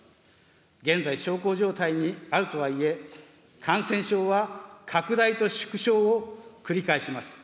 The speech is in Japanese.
現在、小康状態にあるとはいえ、感染症は拡大と縮小を繰り返します。